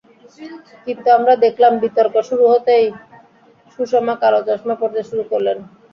কিন্তু আমরা দেখলাম, বিতর্ক শুরু হতেই সুষমা কালো চশমা পরতে শুরু করলেন।